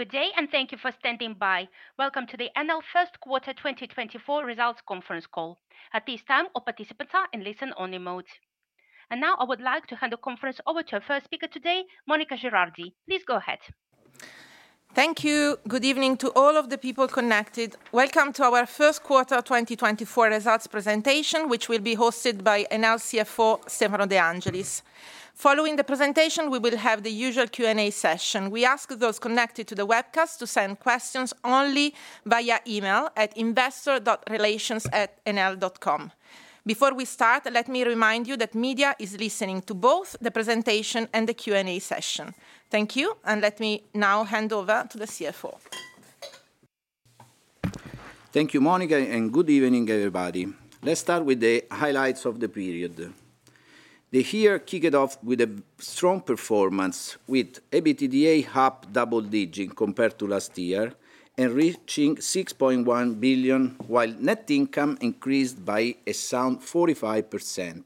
Good day, and thank you for standing by. Welcome to the Enel Q1 2024 Results Conference Call. At this time, all participants are in listen-only mode. And now, I would like to hand the conference over to our first speaker today, Monica Girardi. Please go ahead. Thank you. Good evening to all of the people connected. Welcome to our Q1 2024 results presentation, which will be hosted by Enel CFO, Stefano De Angelis. Following the presentation, we will have the usual Q&A session. We ask those connected to the webcast to send questions only via email at investor.relations@enel.com. Before we start, let me remind you that media is listening to both the presentation and the Q&A session. Thank you, and let me now hand over to the CFO. Thank you, Monica, and good evening, everybody. Let's start with the highlights of the period. The year kicked off with a strong performance, with EBITDA up double digit compared to last year and reaching 6.1 billion, while net income increased by a sound 45%.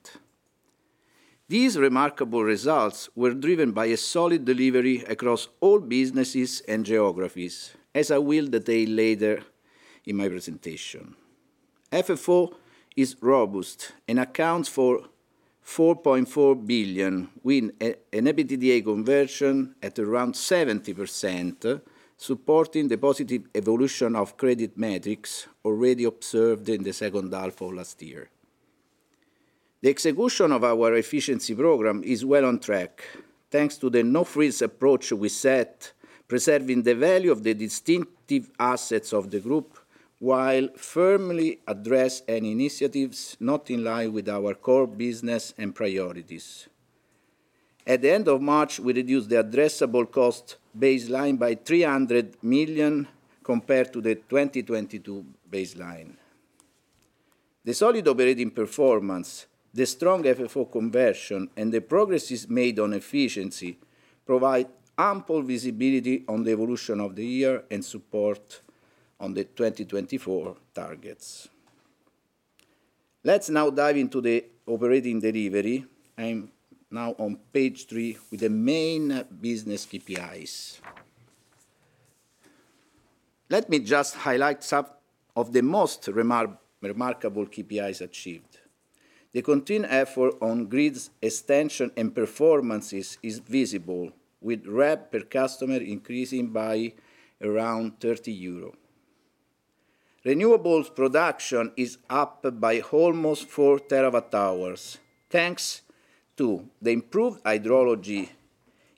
These remarkable results were driven by a solid delivery across all businesses and geographies, as I will detail later in my presentation. FFO is robust and accounts for 4.4 billion, with an EBITDA conversion at around 70%, supporting the positive evolution of credit metrics already observed in the second half of last year. The execution of our efficiency program is well on track, thanks to the no-freeze approach we set, preserving the value of the distinctive assets of the group, while firmly address any initiatives not in line with our core business and priorities. At the end of March, we reduced the addressable cost baseline by 300 million compared to the 2022 baseline. The solid operating performance, the strong FFO conversion, and the progress made on efficiency provide ample visibility on the evolution of the year and support on the 2024 targets. Let's now dive into the operating delivery. I'm now on page three with the main business KPIs. Let me just highlight some of the most remarkable KPIs achieved. The continued effort on grids extension and performances is visible, with rev per customer increasing by around 30 euro. Renewables production is up by almost 4 terawatt-hours, thanks to the improved hydrology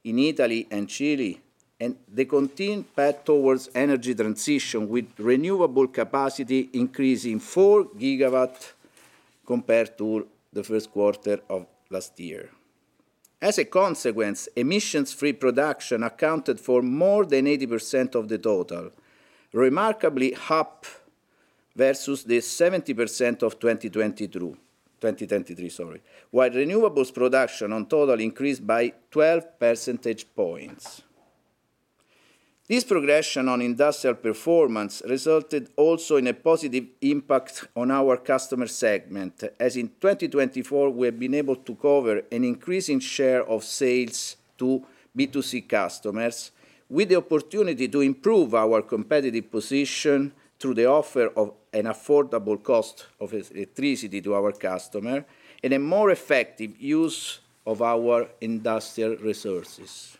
in Italy and Chile, and the continued path towards energy transition, with renewable capacity increasing 4 gigawatt compared to the Q1 of last year. As a consequence, emissions-free production accounted for more than 80% of the total, remarkably up versus the 70% of 2022... 2023, sorry, while renewables production on total increased by 12 percentage points. This progression on industrial performance resulted also in a positive impact on our customer segment, as in 2024, we have been able to cover an increasing share of sales to B2C customers, with the opportunity to improve our competitive position through the offer of an affordable cost of electricity to our customer and a more effective use of our industrial resources.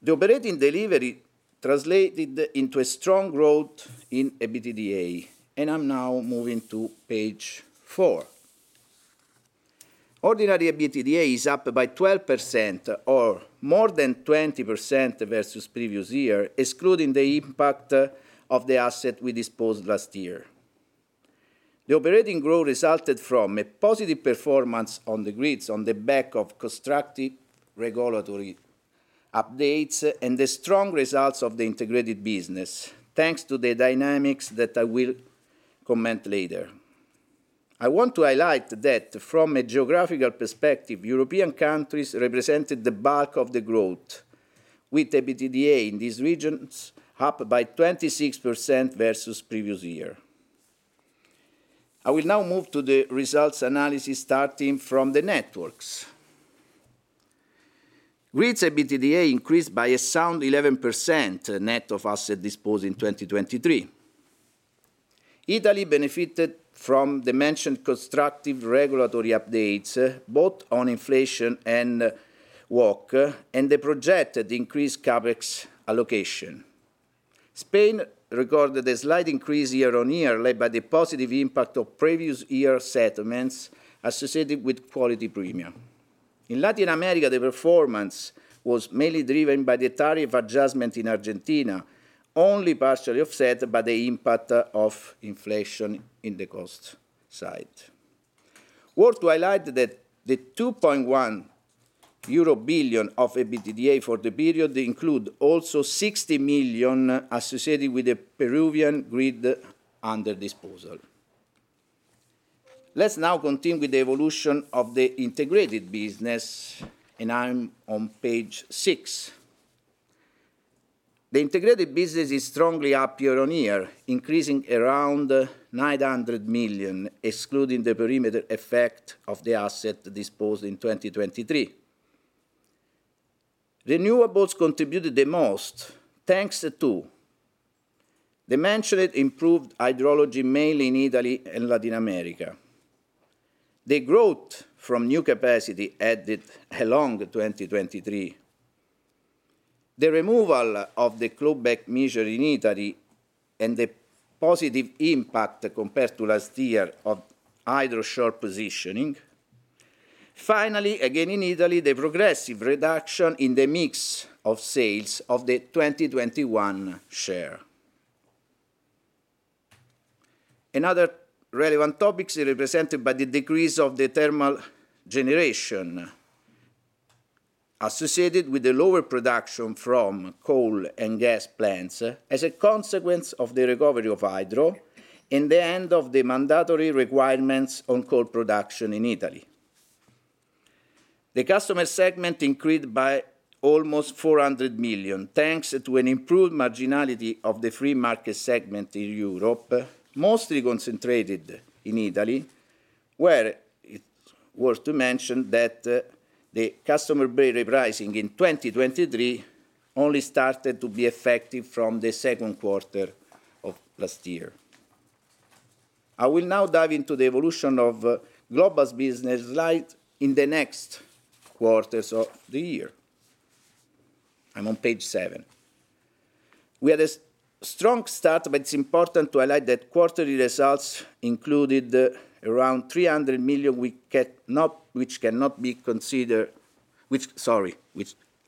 The operating delivery translated into a strong growth in EBITDA, and I'm now moving to page four. Ordinary EBITDA is up by 12% or more than 20% versus previous year, excluding the impact of the asset we disposed last year. The operating growth resulted from a positive performance on the grids on the back of constructive regulatory updates and the strong results of the integrated business, thanks to the dynamics that I will comment later. I want to highlight that from a geographical perspective, European countries represented the bulk of the growth, with EBITDA in these regions up by 26% versus previous year. I will now move to the results analysis, starting from the networks. Grids EBITDA increased by a sound 11%, net of asset disposed in 2023. Italy benefited from the mentioned constructive regulatory updates, both on inflation and WACC, and the projected increased CapEx allocation. Spain recorded a slight increase year-on-year, led by the positive impact of previous year settlements associated with quality premium. In Latin America, the performance was mainly driven by the tariff adjustment in Argentina, only partially offset by the impact of inflation in the cost side. Worth to highlight that the 2.1 billion euro of EBITDA for the period include also 60 million associated with the Peruvian grid under disposal. Let's now continue with the evolution of the integrated business, and I'm on page six. The integrated business is strongly up year-on-year, increasing around 900 million, excluding the perimeter effect of the asset disposed in 2023. Renewables contributed the most, thanks to: the mentioned improved hydrology, mainly in Italy and Latin America, the growth from new capacity added along 2023, the removal of the clawback measure in Italy, and the positive impact compared to last year of hydro short positioning. Finally, again, in Italy, the progressive reduction in the mix of sales of the 2021 share. Another relevant topic is represented by the decrease of the thermal generation, associated with the lower production from coal and gas plants as a consequence of the recovery of hydro and the end of the mandatory requirements on coal production in Italy. The customer segment increased by almost 400 million, thanks to an improved marginality of the free market segment in Europe, mostly concentrated in Italy, where it's worth to mention that, the customer bill repricing in 2023 only started to be effective from the Q2 of last year. I will now dive into the evolution of, Global's business right in the next quarters of the year. I'm on page 7. We had a strong start, but it's important to highlight that quarterly results included around 300 million, which cannot be considered, which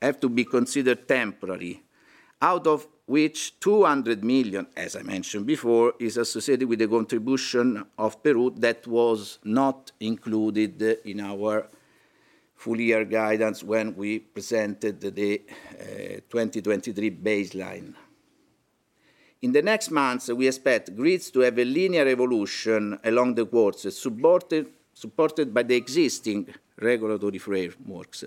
have to be considered temporary, out of which 200 million, as I mentioned before, is associated with the contribution of Peru that was not included in our full year guidance when we presented the 2023 baseline. In the next months, we expect grids to have a linear evolution along the quarters, supported by the existing regulatory frameworks.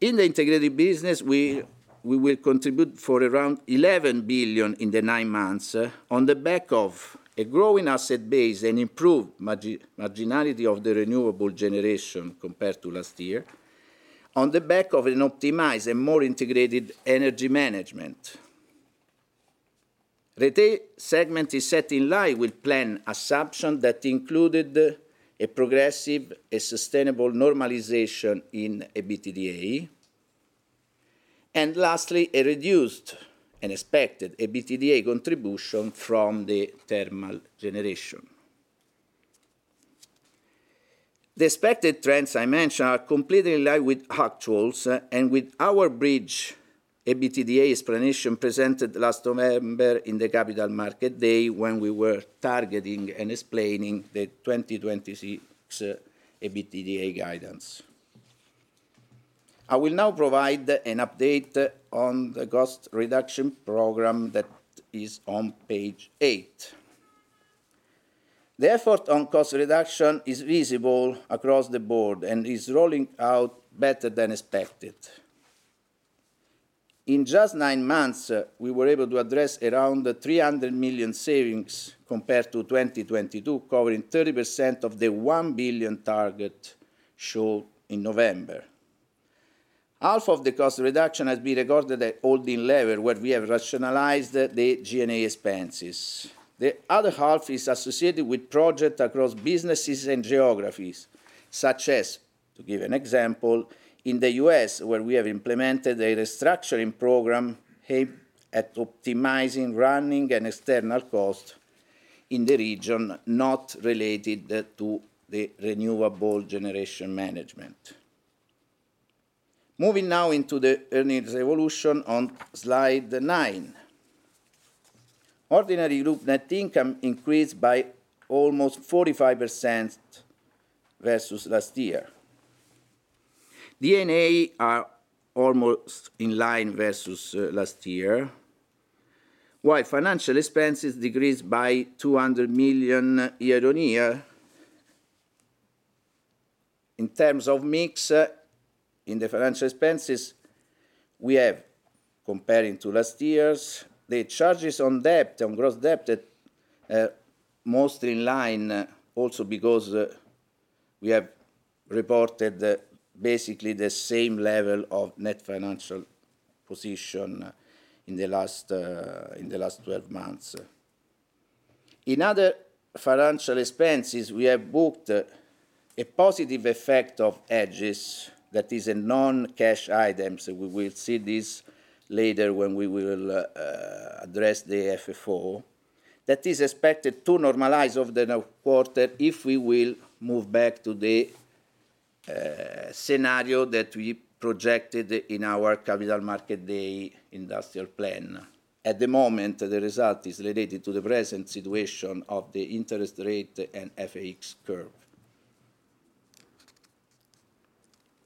In the integrated business, we will contribute for around 11 billion in the nine months, on the back of a growing asset base and improved marginality of the renewable generation compared to last year, on the back of an optimized and more integrated energy management. Retail segment is set in line with plan assumption that included a progressive, a sustainable normalization in EBITDA. And lastly, a reduced and expected EBITDA contribution from the thermal generation. The expected trends I mentioned are completely in line with actuals and with our bridge EBITDA explanation presented last November in the Capital Markets Day, when we were targeting and explaining the 2026 EBITDA guidance. I will now provide an update on the cost reduction program that is on page eight. The effort on cost reduction is visible across the board and is rolling out better than expected. In just nine months, we were able to address around 300 million savings compared to 2022, covering 30% of the 1 billion target shown in November. Half of the cost reduction has been recorded at holding level, where we have rationalized the G&A expenses. The other half is associated with projects across businesses and geographies, such as, to give an example, in the U.S., where we have implemented a restructuring program aimed at optimizing running and external costs in the region, not related to the renewable generation management. Moving now into the earnings evolution on slide 9. Ordinary group net income increased by almost 45% versus last year. D&A are almost in line versus last year, while financial expenses decreased by 200 million year-on-year. In terms of mix, in the financial expenses, we have, comparing to last year's, the charges on debt, on gross debt, mostly in line, also because, we have reported, basically the same level of net financial position, in the last, in the last 12 months. In other financial expenses, we have booked a positive effect of hedges, that is a non-cash item, so we will see this later when we will address the FFO, that is expected to normalize over the quarter if we will move back to the scenario that we projected in our Capital Markets Day Industrial Plan. At the moment, the result is related to the present situation of the interest rate and FX curve.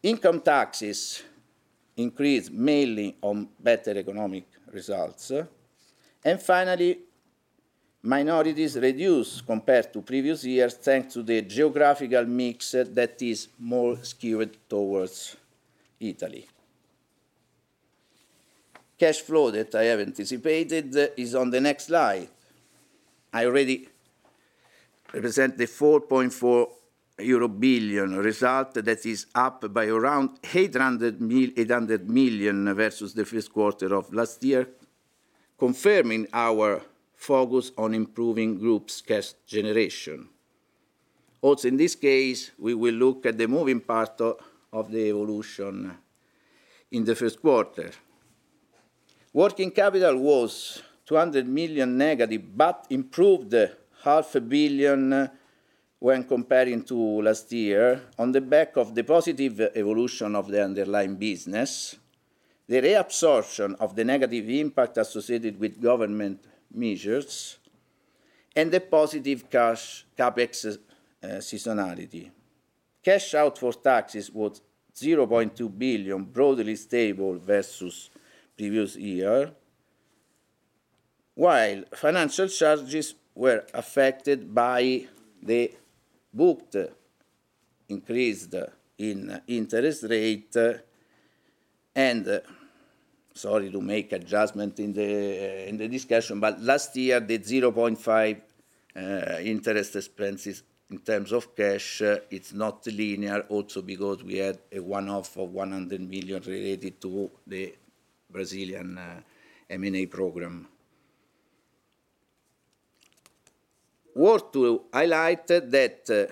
Income taxes increase mainly on better economic results. And finally, minorities reduced compared to previous years, thanks to the geographical mix that is more skewed towards Italy. Cash flow, that I have anticipated, is on the next slide. I already represent the 4.4 billion euro, a result that is up by around 800 million versus the Q1 of last year, confirming our focus on improving group's cash generation. Also, in this case, we will look at the moving part of the evolution in the Q1. Working capital was negative 200 million, but improved 500 million when comparing to last year on the back of the positive evolution of the underlying business, the reabsorption of the negative impact associated with government measures, and the positive cash CapEx seasonality. Cash out for taxes was 0.2 billion, broadly stable versus previous year, while financial charges were affected by the booked increase in interest rate and... Sorry to make adjustment in the discussion, but last year, the 0.5 interest expenses in terms of cash, it's not linear, also because we had a one-off of 100 million related to the Brazilian M&A program. Worth to highlight that, the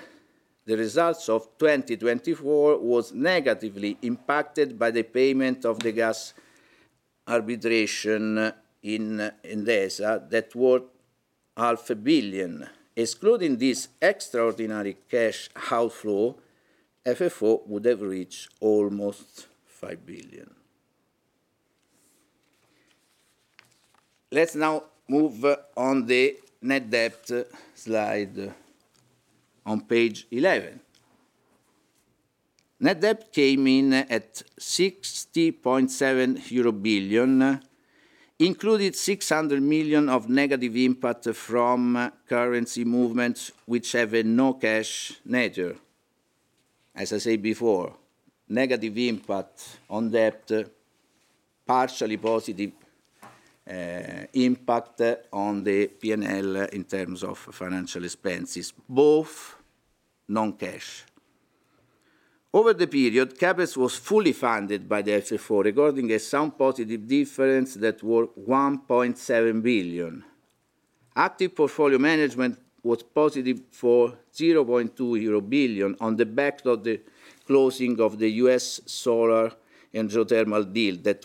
results of 2024 was negatively impacted by the payment of the gas arbitration in Endesa that worth 500 million. Excluding this extraordinary cash outflow, FFO would have reached almost 5 billion. Let's now move on the net debt slide on page 11. Net debt came in at 60.7 billion euro, included 600 million of negative impact from currency movements, which have a non-cash nature. As I said before, negative impact on debt, partially positive impact on the P&L in terms of financial expenses, both non-cash. Over the period, CapEx was fully funded by the FFO, recording a sound positive difference that worth 1.7 billion. Active portfolio management was positive for 0.2 billion euro on the back of the closing of the US solar and geothermal deal that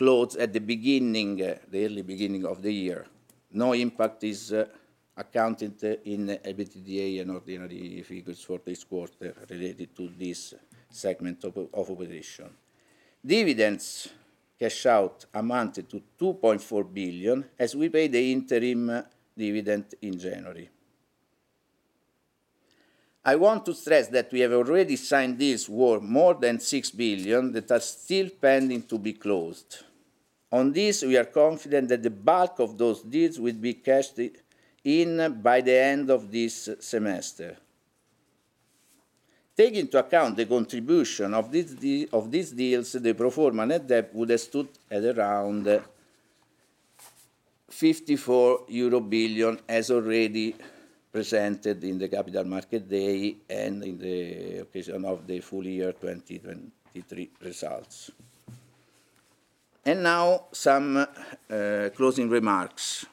we closed at the beginning, the early beginning of the year. No impact is accounted in EBITDA and ordinary figures for this quarter related to this segment of operation. Dividends cash out amounted to 2.4 billion, as we paid the interim dividend in January. I want to stress that we have already signed deals worth more than 6 billion that are still pending to be closed. On this, we are confident that the bulk of those deals will be cashed in by the end of this semester. Take into account the contribution of these deals, the pro forma net debt would have stood at around 54 billion euro, as already presented in the Capital Market Day and in the occasion of the full year 2023 results. And now, some closing remarks.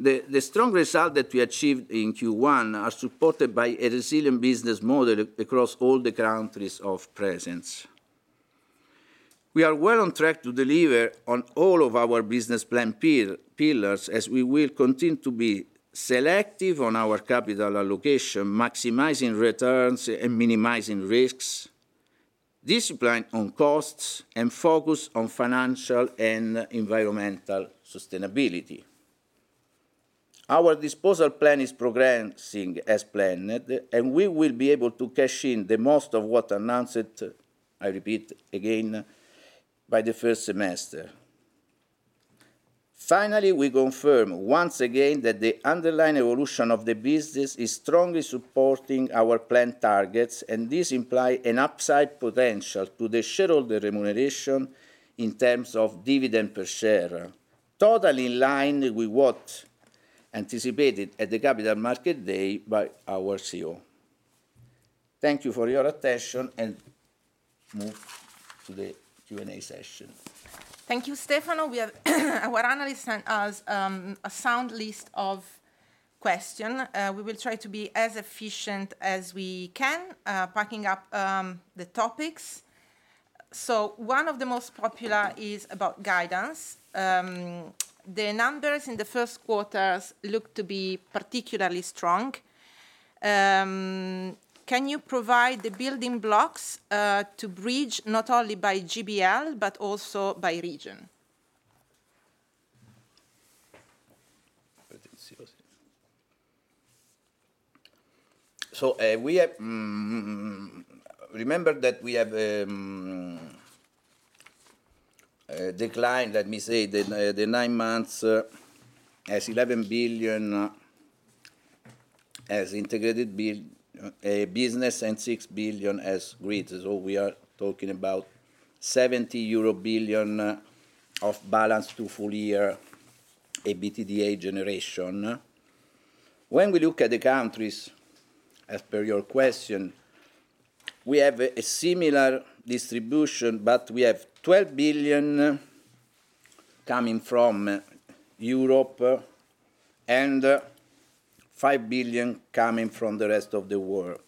The strong result that we achieved in Q1 are supported by a resilient business model across all the countries of presence. We are well on track to deliver on all of our business plan pillars, as we will continue to be selective on our capital allocation, maximizing returns and minimizing risks, discipline on costs, and focus on financial and environmental sustainability. Our disposal plan is progressing as planned, and we will be able to cash in the most of what announced, I repeat again, by the first semester. Finally, we confirm once again that the underlying evolution of the business is strongly supporting our planned targets, and this implies an upside potential to the shareholder remuneration in terms of dividend per share, totally in line with what anticipated at the Capital Market Day by our CEO. Thank you for your attention, and move to the Q&A session. Thank you, Stefano. We have our analysts sent us a sound list of question. We will try to be as efficient as we can, packing up the topics. So one of the most popular is about guidance. The numbers in the Q1s look to be particularly strong. Can you provide the building blocks to bridge, not only by GBL, but also by region?... So, we have, remember that we have, declined, let me say, the nine months as 11 billion as integrated business, and 6 billion as grids. So we are talking about 70 billion euro of balance to full year EBITDA generation. When we look at the countries, as per your question, we have a similar distribution, but we have 12 billion coming from Europe, and 5 billion coming from the rest of the world.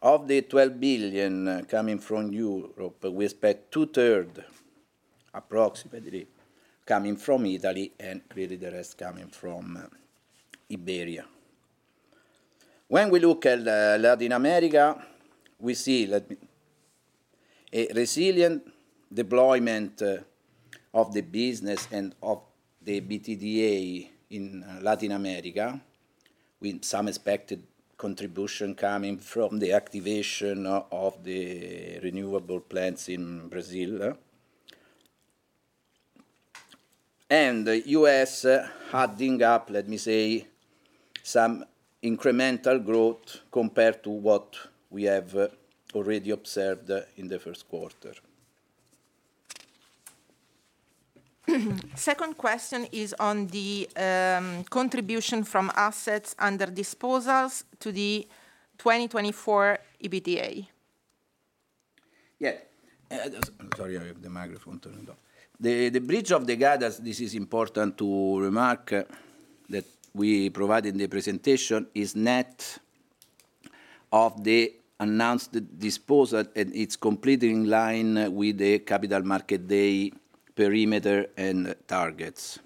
Of the 12 billion coming from Europe, we expect two-thirds, approximately, coming from Italy, and really the rest coming from Iberia. When we look at Latin America, we see a resilient deployment of the business and of the EBITDA in Latin America, with some expected contribution coming from the activation of the renewable plants in Brazil. US adding up, let me say, some incremental growth compared to what we have already observed in the Q1. Second question is on the, contribution from assets under disposals to the 2024 EBITDA. Yeah, sorry, I have the microphone turned off. The bridge of the guidance, this is important to remark, that we provided in the presentation, is net of the announced disposal, and it's completely in line with the capital market day perimeter and targets.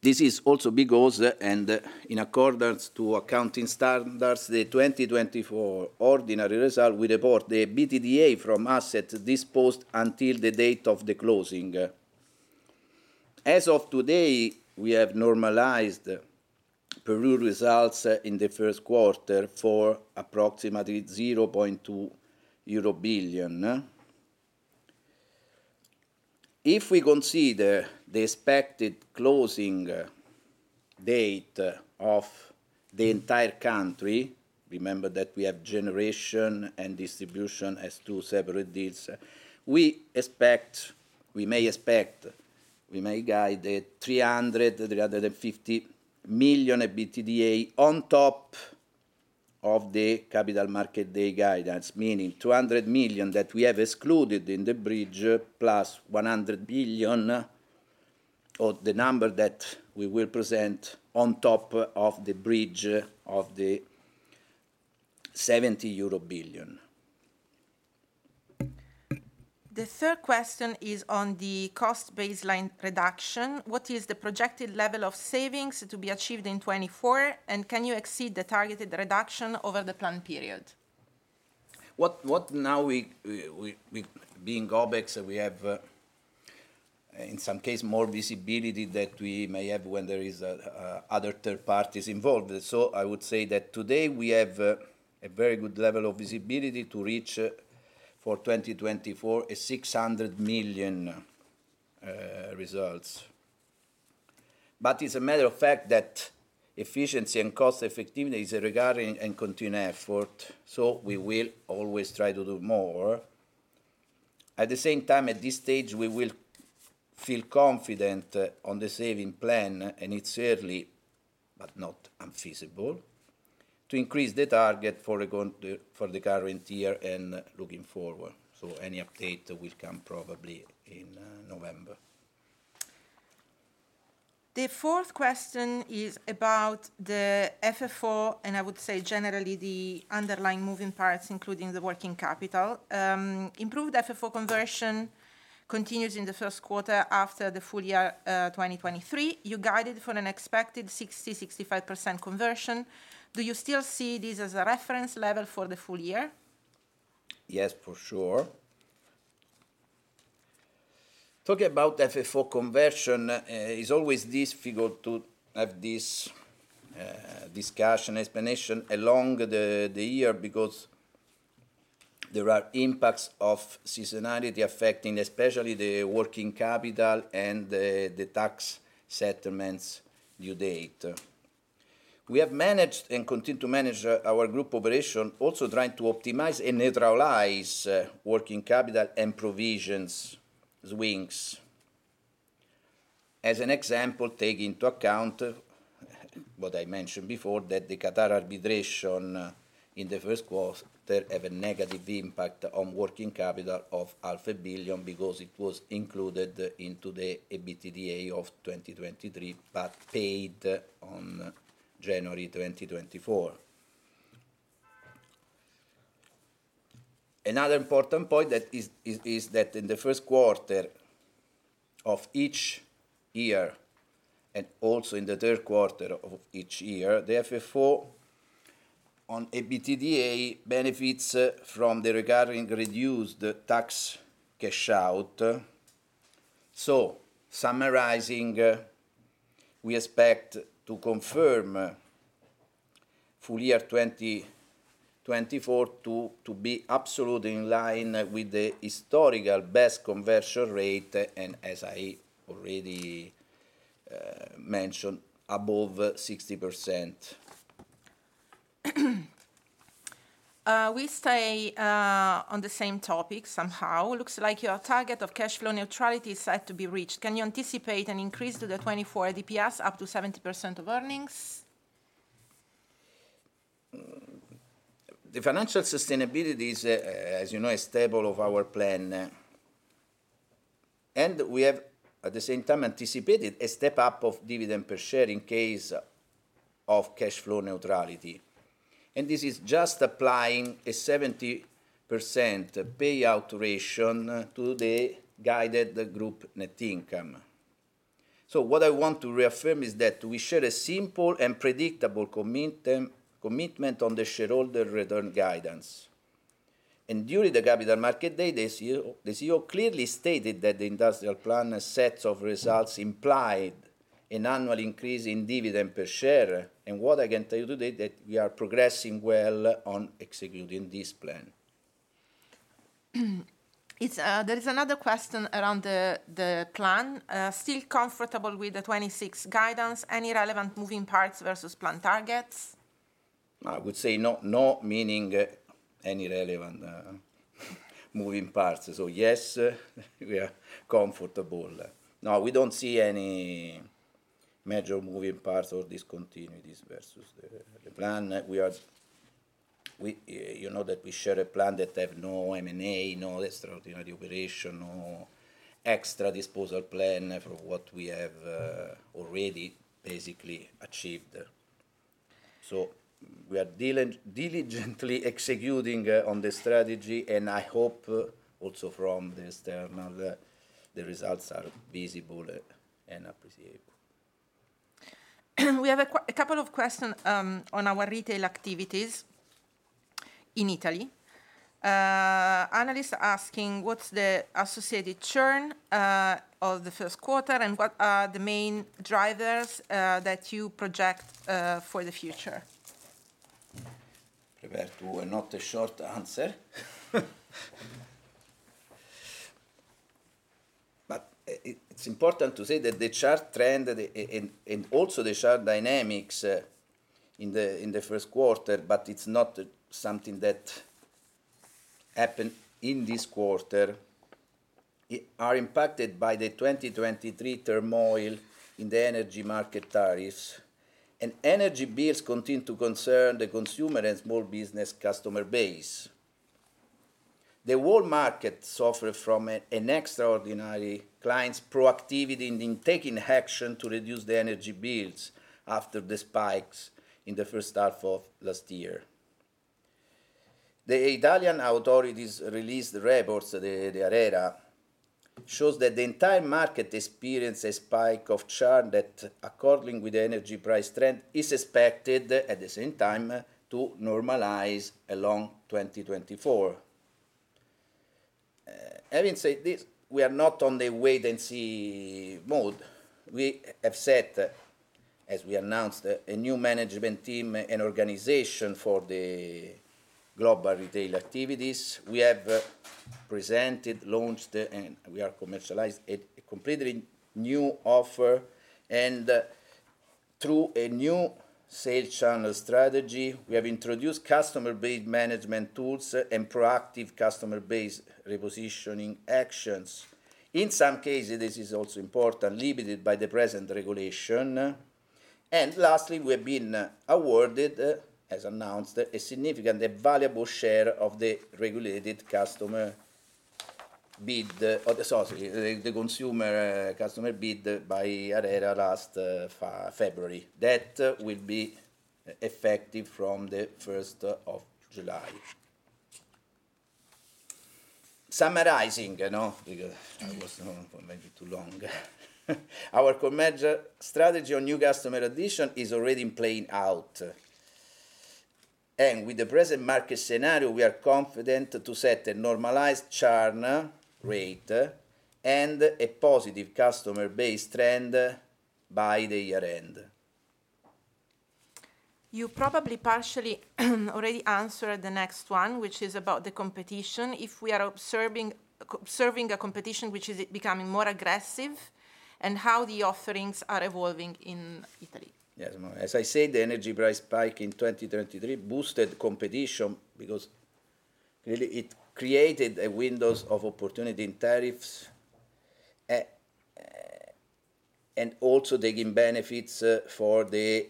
This is also because, and in accordance to accounting standards, the 2024 ordinary result, we report the EBITDA from asset disposed until the date of the closing. As of today, we have normalized the Peru results, in the Q1 for approximately EUR 0.2 billion. If we consider the expected closing date of the entire country, remember that we have generation and distribution as two separate deals, we expect—we may expect, we may guide 300 million-350 million EBITDA on top of the Capital Markets Day guidance, meaning 200 million that we have excluded in the bridge, plus 100 billion, or the number that we will present on top of the bridge of the 70 billion euro. The third question is on the cost baseline reduction. What is the projected level of savings to be achieved in 2024? And can you exceed the targeted reduction over the planned period? Now we, being OpEx, we have in some cases more visibility than we may have when there is other third parties involved. So I would say that today we have a very good level of visibility to reach for 2024 a 600 million results. But it's a matter of fact that efficiency and cost effectiveness is a recurring and continued effort, so we will always try to do more. At the same time, at this stage, we will feel confident on the saving plan, and it's early, but not unfeasible, to increase the target regarding the current year and looking forward. So any update will come probably in November. The fourth question is about the FFO, and I would say generally, the underlying moving parts, including the working capital. Improved FFO conversion continues in the Q1 after the full year 2023. You guided for an expected 60%-65% conversion. Do you still see this as a reference level for the full year? Yes, for sure. Talk about FFO conversion is always difficult to have this discussion, explanation, along the year because there are impacts of seasonality affecting, especially the working capital and the tax settlements due date. We have managed, and continue to manage, our group operation, also trying to optimize and neutralize working capital and provisions swings. As an example, take into account what I mentioned before, that the Qatar arbitration in the Q1 have a negative impact on working capital of 500 million, because it was included into the EBITDA of 2023, but paid on January 2024. Another important point that is that in the Q1 of each year, and also in the Q3 of each year, the FFO on EBITDA benefits from the regarding reduced tax cash out-...So, summarizing, we expect to confirm full year 2024 to be absolutely in line with the historical best conversion rate, and as I already mentioned, above 60%. We stay on the same topic somehow. Looks like your target of cash flow neutrality is set to be reached. Can you anticipate an increase to the 2024 DPS up to 70% of earnings? The financial sustainability is, as you know, a staple of our plan, and we have, at the same time, anticipated a step up of dividend per share in case of cash flow neutrality. And this is just applying a 70% payout ratio to the guided group net income. So what I want to reaffirm is that we share a simple and predictable commitment on the shareholder return guidance. And during the capital market day, the CEO, the CEO clearly stated that the industrial plan sets of results implied an annual increase in dividend per share. And what I can tell you today, that we are progressing well on executing this plan. It's there is another question around the plan. Still comfortable with the 2026 guidance, any relevant moving parts versus plan targets? I would say no, no, meaning, any relevant, moving parts. So yes, we are comfortable. No, we don't see any major moving parts or discontinuities versus the plan. We, you know that we share a plan that have no M&A, no extraordinary operation, no extra disposal plan for what we have, already basically achieved. So we are diligently executing on the strategy, and I hope also from the external, the results are visible and appreciable. We have a couple of questions on our retail activities in Italy. Analyst asking, what's the associated churn of the Q1, and what are the main drivers that you project for the future? Prepare for a not a short answer. But, it's important to say that the churn trend and also the churn dynamics in the Q1, but it's not something that happened in this quarter, are impacted by the 2023 turmoil in the energy market tariffs, and energy bills continue to concern the consumer and small business customer base. The whole market suffers from an extraordinary client's proactivity in taking action to reduce the energy bills after the spikes in the first half of last year. The Italian authorities released reports, the ARERA, shows that the entire market experienced a spike of churn that, in accordance with the energy price trend, is expected, at the same time, to normalize along 2024. Having said this, we are not on the wait-and-see mode. We have set, as we announced, a new management team and organization for the global retail activities. We have presented, launched, and we are commercialized a completely new offer, and through a new sales channel strategy, we have introduced customer based management tools and proactive customer base repositioning actions. In some cases, this is also important, limited by the present regulation. And lastly, we have been awarded, as announced, a significant and valuable share of the regulated customer bid, or sorry, the consumer customer bid by ARERA last February. That will be effective from the first of July. Summarizing, you know, because I was going for maybe too long. Our commercial strategy on new customer addition is already playing out, and with the present market scenario, we are confident to set a normalized churn rate, and a positive customer base trend, by the year end. You probably partially already answered the next one, which is about the competition. If we are observing a competition which is becoming more aggressive, and how the offerings are evolving in Italy? Yes, as I said, the energy price spike in 2023 boosted competition because really it created a windows of opportunity in tariffs, and also taking benefits for the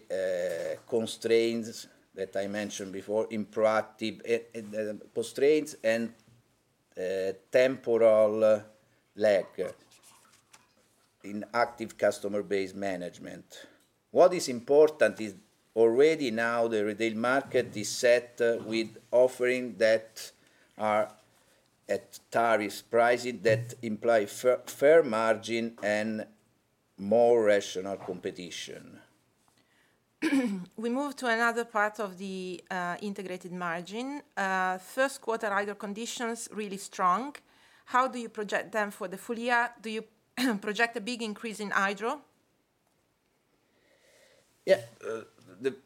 constraints that I mentioned before in proactive constraints and temporal lag in active customer base management. What is important is already now the retail market is set with offering that are at tariff pricing that imply fair margin and more rational competition.... We move to another part of the, integrated margin. Q1 hydro conditions, really strong. How do you project them for the full year? Do you project a big increase in hydro? Yeah,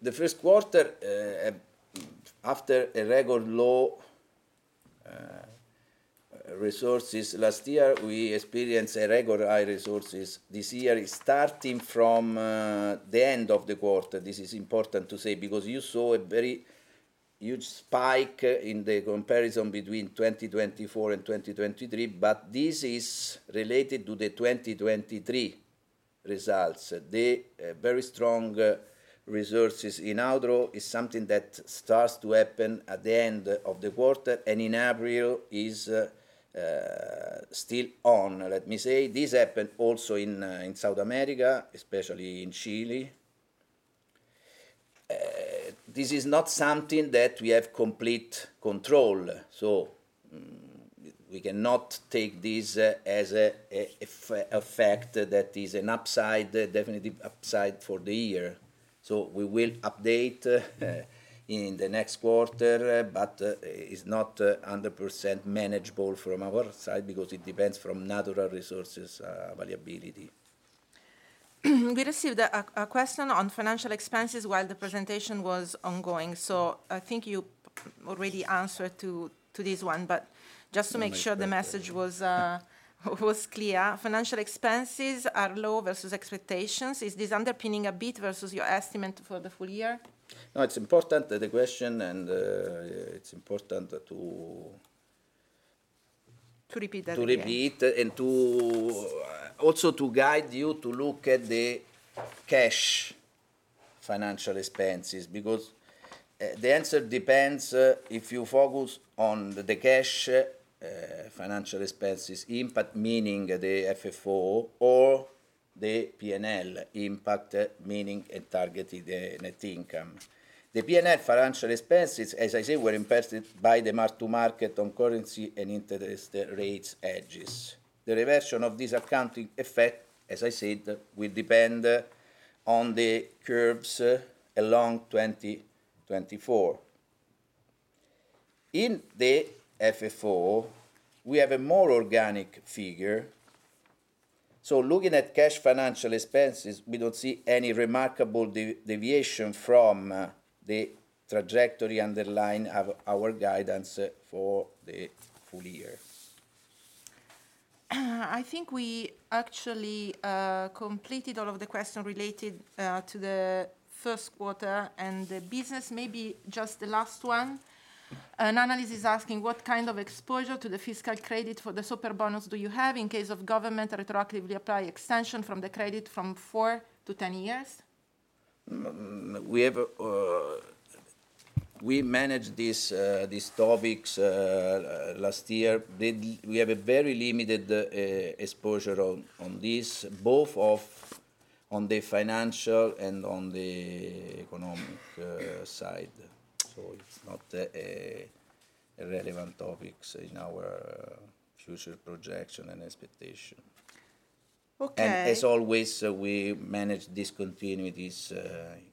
the Q1, after a record low resources last year, we experienced a record high resources this year, starting from the end of the quarter. This is important to say because you saw a very huge spike in the comparison between 2024 and 2023, but this is related to the 2023 results. The very strong resources in hydro is something that starts to happen at the end of the quarter, and in April is still on, let me say. This happened also in South America, especially in Chile. This is not something that we have complete control, so we cannot take this as a fact that is an upside, definitive upside for the year. So we will update in the next quarter, but it's not 100% manageable from our side because it depends from natural resources variability. We received a question on financial expenses while the presentation was ongoing, so I think you already answered to this one, but just to make sure- Let me make sure.... the message was clear. Financial expenses are low versus expectations. Is this underpinning a bit versus your estimate for the full year? No, it's important to- To repeat that again. To repeat, and to also to guide you to look at the cash financial expenses, because, the answer depends, if you focus on the cash, financial expenses impact, meaning the FFO or the P&L impact, meaning a targeted, net income. The P&L financial expenses, as I said, were impacted by the mark to market on currency and interest rates hedges. The reversion of this accounting effect, as I said, will depend, on the curves along 2024. In the FFO, we have a more organic figure, so looking at cash financial expenses, we don't see any remarkable deviation from, the trajectory underlying our guidance for the full year. I think we actually completed all of the questions related to the Q1 and the business. Maybe just the last one. An analyst is asking: What kind of exposure to the fiscal credit for the Superbonus do you have in case of government retroactively apply extension from the credit from four to ten years? We have. We managed these topics last year. We have a very limited exposure on this, both on the financial and on the economic side. So it's not a relevant topics in our future projection and expectation. Okay. As always, we manage discontinuities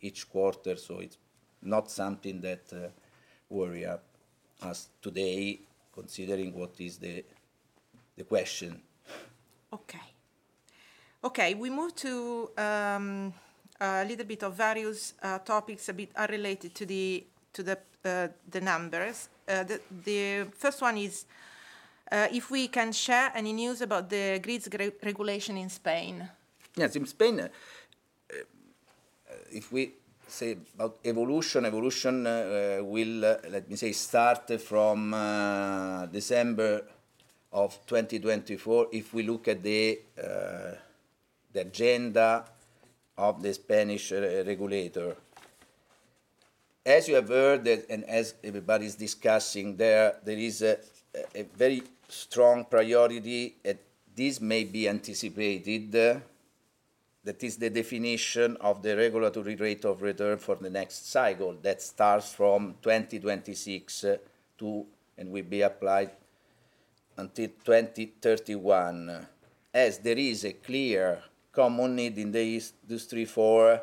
each quarter, so it's not something that worry us today, considering what is the question. Okay. Okay, we move to a little bit of various topics, a bit unrelated to the numbers. The first one is, if we can share any news about the grids re-regulation in Spain. Yes, in Spain, if we say about evolution, evolution, will, let me say, start from December of 2024, if we look at the agenda of the Spanish regulator. As you have heard, and as everybody's discussing there, there is a very strong priority, and this may be anticipated. That is the definition of the regulatory rate of return for the next cycle that starts from 2026 to... and will be applied until 2031. As there is a clear common need in the industry for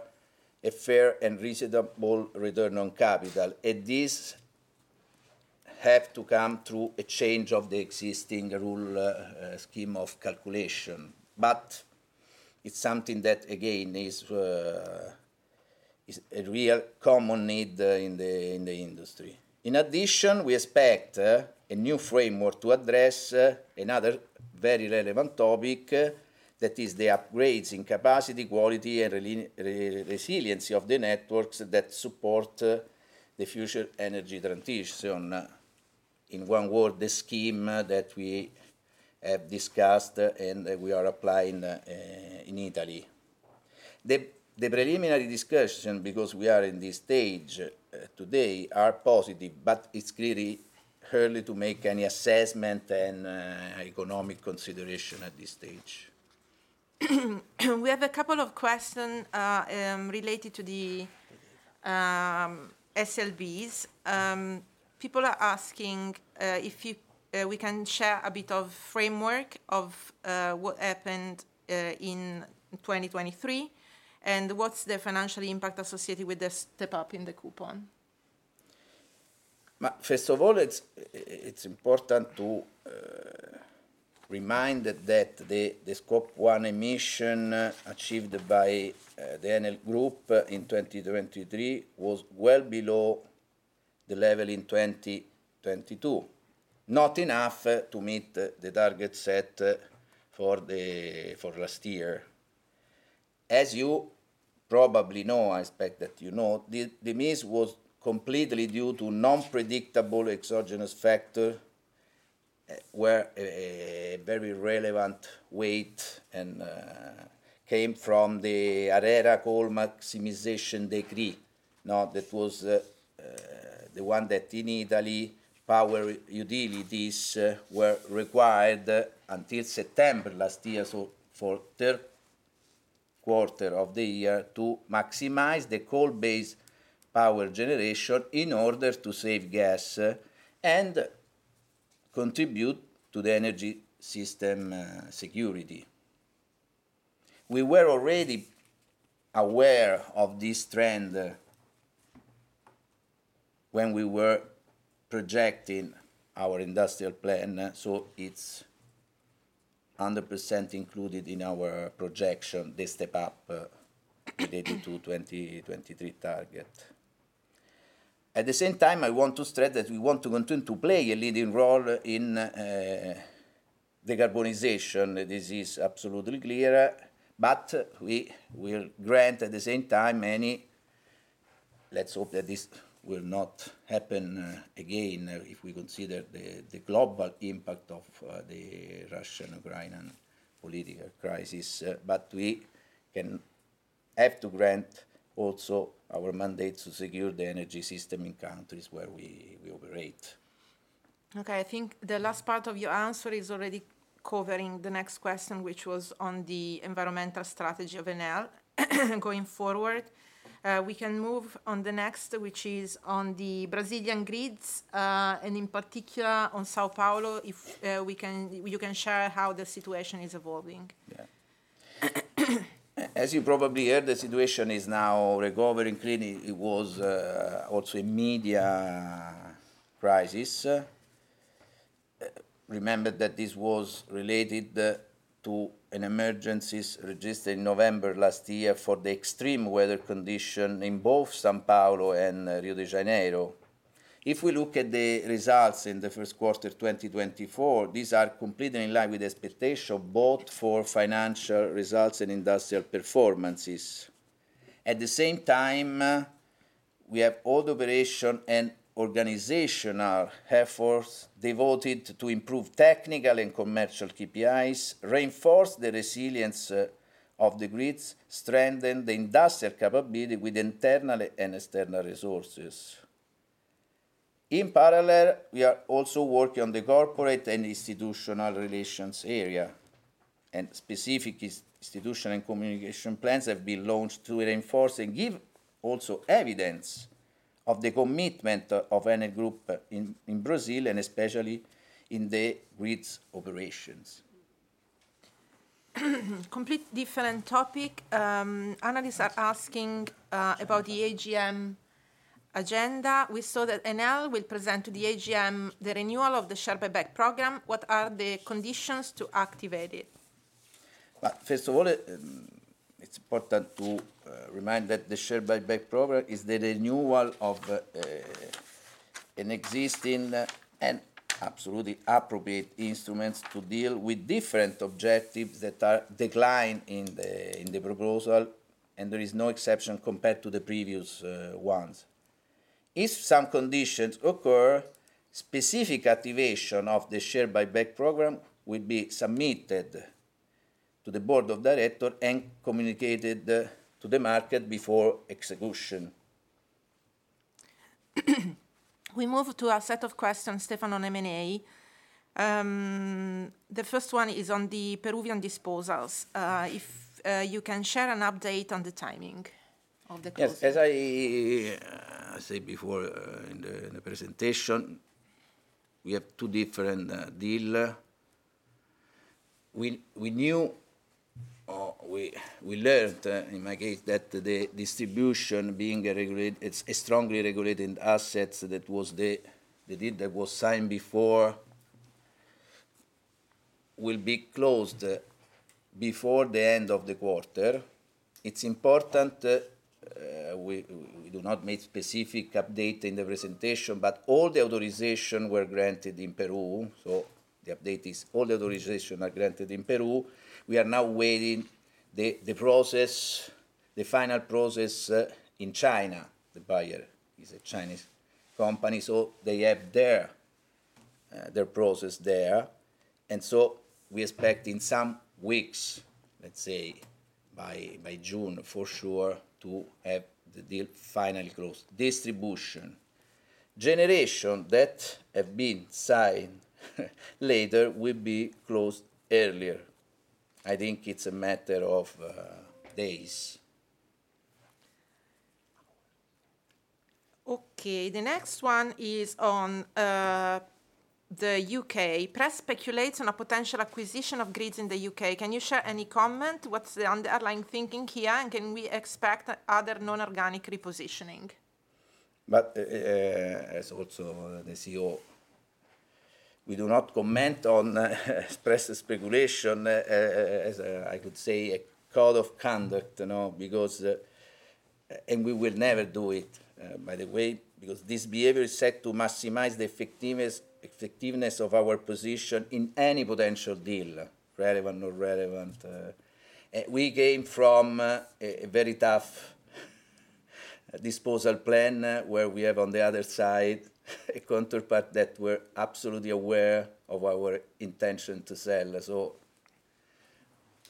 a fair and reasonable return on capital, and this have to come through a change of the existing rule scheme of calculation. But it's something that, again, is a real common need in the industry. In addition, we expect a new framework to address another very relevant topic that is the upgrades in capacity, quality, and resiliency of the networks that support the future energy transition. In one word, the scheme that we have discussed, and that we are applying, in Italy. The preliminary discussion, because we are in this stage today, are positive, but it's really early to make any assessment and economic consideration at this stage. We have a couple of question related to the SLBs. People are asking if you we can share a bit of framework of what happened in 2023, and what's the financial impact associated with the step-up in the coupon? But, first of all, it's important to remind that the Scope 1 emission achieved by the Enel group in 2023 was well below the level in 2022. Not enough to meet the target set for last year. As you probably know, I expect that you know, the miss was completely due to non-predictable exogenous factor, where a very relevant weight came from the ARERA coal maximization decree. Now, that was the one that in Italy, power utilities were required until September last year, so for Q3 of the year, to maximize the coal-based power generation in order to save gas and contribute to the energy system security. We were already aware of this trend when we were projecting our industrial plan, so it's 100% included in our projection, the step-up related to 2023 target. At the same time, I want to stress that we want to continue to play a leading role in the decarbonization. This is absolutely clear, but we will grant, at the same time, many... Let's hope that this will not happen again, if we consider the global impact of the Russian-Ukrainian political crisis, but we have to grant also our mandate to secure the energy system in countries where we operate. Okay, I think the last part of your answer is already covering the next question, which was on the environmental strategy of Enel, going forward. We can move on to the next, which is on the Brazilian grids, and in particular, on São Paulo, if you can share how the situation is evolving. Yeah. As you probably heard, the situation is now recovering. Clearly, it was also a media crisis. Remember that this was related to emergencies registered in November last year for the extreme weather condition in both São Paulo and Rio de Janeiro. If we look at the results in the Q1 2024, these are completely in line with expectation, both for financial results and industrial performances. At the same time, we have all operation and organizational efforts devoted to improve technical and commercial KPIs, reinforce the resilience of the grids, strengthen the industrial capability with internal and external resources. In parallel, we are also working on the corporate and institutional relations area, and specific institution and communication plans have been launched to reinforce and give also evidence of the commitment of Enel Group in Brazil, and especially in the grids operations. Completely different topic. Analysts are asking about the AGM agenda. We saw that Enel will present to the AGM the renewal of the share buyback program. What are the conditions to activate it? Well, first of all, it's important to remind that the share buyback program is the renewal of an existing and absolutely appropriate instruments to deal with different objectives that are declined in the proposal, and there is no exception compared to the previous ones. If some conditions occur, specific activation of the share buyback program will be submitted to the board of director and communicated to the market before execution. We move to a set of questions, Stefano, on M&A. The first one is on the Peruvian disposals. If you can share an update on the timing of the closing. Yes, as I said before, in the presentation, we have two different deal. We knew, or we learned, in my case, that the distribution being a regulated it's a strongly regulated asset, so that was the deal that was signed before will be closed before the end of the quarter. It's important, we do not make specific update in the presentation, but all the authorization were granted in Peru, so the update is all the authorization are granted in Peru. We are now waiting the process, the final process, in China. The buyer is a Chinese company, so they have their process there. And so we expect in some weeks, let's say by June, for sure, to have the deal finally closed. Generation that have been signed later will be closed earlier. I think it's a matter of days. Okay, the next one is on the UK. Press speculates on a potential acquisition of grids in the UK. Can you share any comment? What's the underlying thinking here, and can we expect other non-organic repositioning? But as also the CEO, we do not comment on express speculation, as I could say, a code of conduct, you know, because... We will never do it, by the way, because this behavior is set to maximize the effectiveness of our position in any potential deal, relevant or relevant. We came from a very tough disposal plan, where we have, on the other side, a counterpart that we're absolutely aware of our intention to sell. So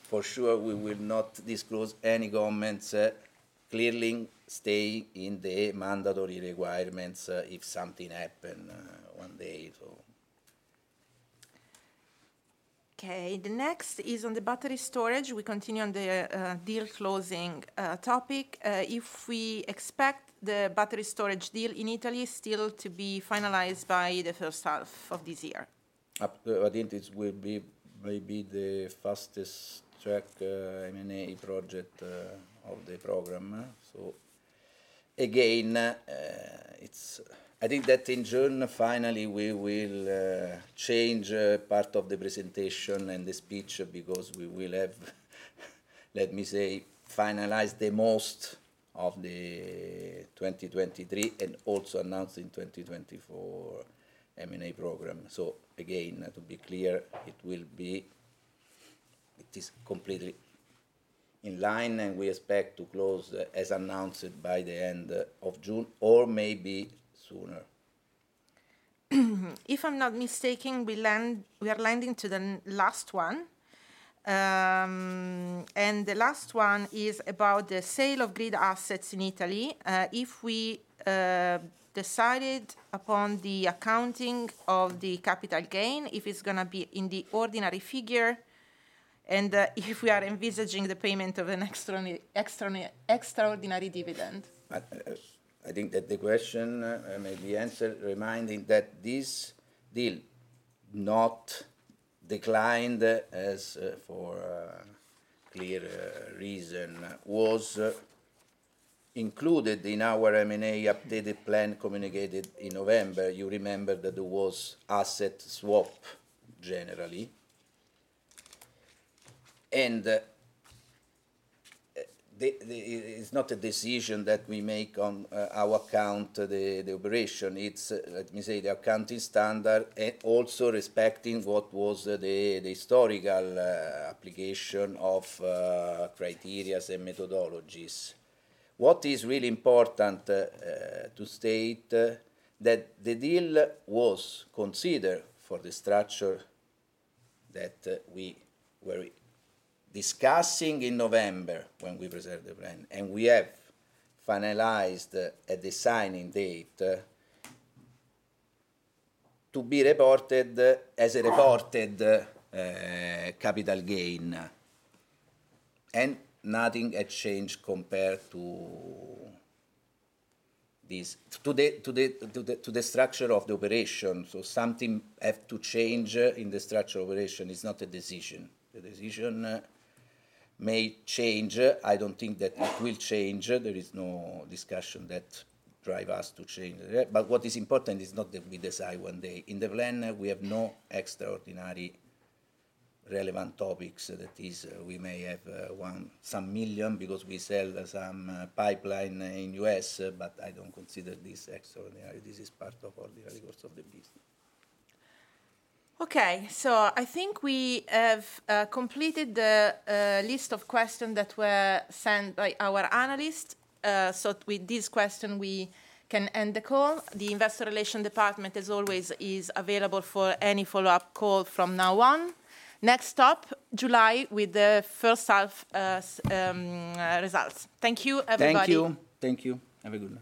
for sure, we will not disclose any comments, clearly stay in the mandatory requirements, if something happen, one day, so. Okay, the next is on the battery storage. We continue on the deal closing topic. If we expect the battery storage deal in Italy still to be finalized by the first half of this year? I think this will be, maybe the fastest track, M&A project, of the program. So again, it's... I think that in June, finally, we will change, part of the presentation and the speech because we will have, let me say, finalize the most of the 2023, and also announce in 2024 M&A program. So again, to be clear, it will be it is completely in line, and we expect to close, as announced by the end of June or maybe sooner. If I'm not mistaken, we are landing to the last one. And the last one is about the sale of grid assets in Italy. If we decided upon the accounting of the capital gain, if it's gonna be in the ordinary figure, and if we are envisaging the payment of an extraordinary dividend. I think that the question may be answered reminding that this deal, not declined, as for clear reason, was included in our M&A updated plan communicated in November. You remember that there was asset swap, generally. And it's not a decision that we make on our account, the operation. It's, let me say, the accounting standard also respecting what was the historical application of criteria and methodologies. What is really important to state that the deal was considered for the structure that we were discussing in November when we preserved the plan, and we have finalized the signing date to be reported as a reported capital gain, and nothing had changed compared to this. To the structure of the operation, something have to change in the structure operation. It's not a decision. The decision may change. I don't think that it will change. There is no discussion that drive us to change that. But what is important is not that we decide one day. In the plan, we have no extraordinary relevant topics. That is, we may have 1, some million because we sell some pipeline in US, but I don't consider this extraordinary. This is part of ordinary course of the business. Okay, so I think we have completed the list of questions that were sent by our analysts. So with this question, we can end the call. The Investor Relations Department, as always, is available for any follow-up call from now on. Next stop, July, with the first half results. Thank you, everybody. Thank you. Thank you. Have a good one.